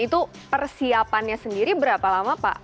itu persiapannya sendiri berapa lama pak